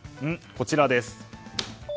こちらです。